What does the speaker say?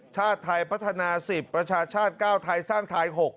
ชาติไทยพัฒนา๑๐ประชาชาติ๙ไทยสร้างไทย๖